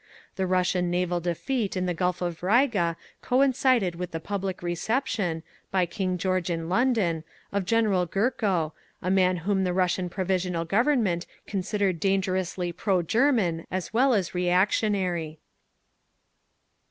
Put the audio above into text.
The Russian naval defeat in the Gulf of Riga coincided with the public reception, by King George in London, of General Gurko, a man whom the Russian Provisional Government considered dangerously pro German as well as reactionary!